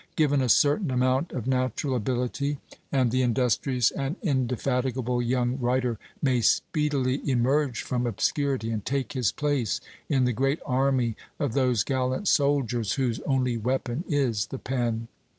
Given a certain amount of natural ability, and the industrious and indefatigable young writer may speedily emerge from obscurity, and take his place in the great army of those gallant soldiers whose only weapon is the pen.